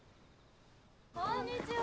・こんにちは。